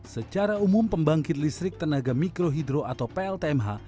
secara umum pembangkit listrik tenaga mikrohidro atau pltmh